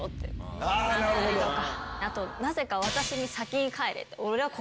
あとなぜか私に。